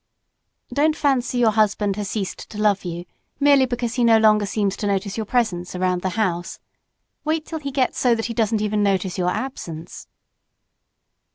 Don't fancy your husband has ceased to love you merely because he no longer seems to notice your presence around the house; wait until he gets so that he doesn't even notice your absence.